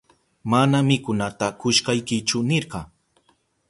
Mana mikunata kushkaykichu nirka.